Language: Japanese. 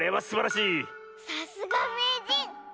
さすがめいじん。